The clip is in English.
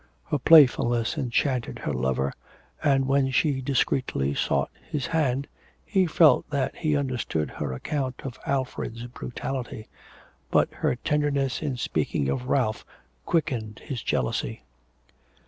Her playfulness enchanted her lover, and, when she discreetly sought his hand, he felt that he understood her account of Alfred's brutality. But her tenderness, in speaking of Ralph, quickened his jealousy.